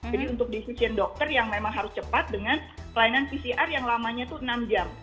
jadi untuk diisiin dokter yang memang harus cepat dengan pelayanan pcr yang lamanya itu enam jam